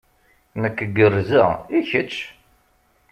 Nekk gerrzeɣ, i kečč?